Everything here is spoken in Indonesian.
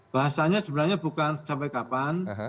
bahasanya sebenarnya bukan sampai kapan